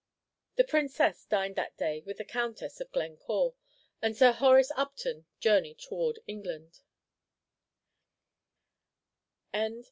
The Princess dined that day with the Countess of Glencore, and Sir Horace Upton journeyed towards England.